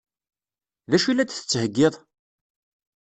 D acu i la d-tettheggiḍ?